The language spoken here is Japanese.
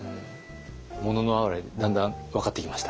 「もののあはれ」だんだん分かってきました？